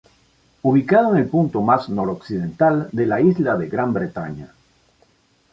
Ubicado en el punto más noroccidental de la isla de Gran Bretaña.